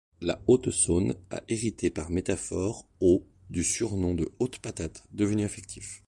La Haute-Saône a hérité par métaphore au du surnom de Haute-Patate devenu affectif.